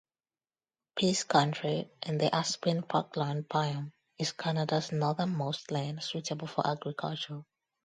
Peace Country, in the aspen parkland biome, is Canada's northernmost land suitable for agriculture.